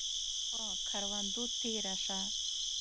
پۀ کروندو تیره شه